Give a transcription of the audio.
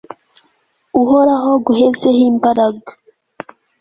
uhoraho aguhezeho imbaraga